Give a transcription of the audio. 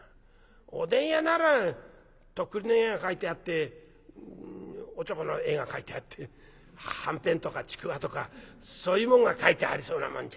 おでん屋ならとっくりの絵が描いてあっておちょこの絵が描いてあってはんぺんとかちくわとかそういうもんが描いてありそうなもんじゃねえか。